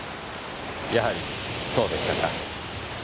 やはりそうでしたか。